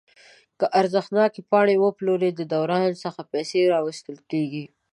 که ارزښتناکې پاڼې وپلوري د دوران څخه پیسې راویستل کیږي.